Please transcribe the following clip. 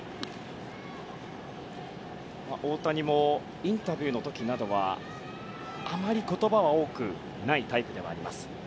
大谷もインタビューの時などはあまり言葉が多くないタイプではあります。